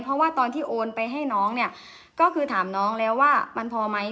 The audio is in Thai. เพราะว่าตอนที่โอนไปให้น้องเนี่ยก็คือถามน้องแล้วว่ามันพอไหม